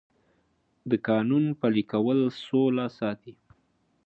د قانون پلي کول سوله ساتي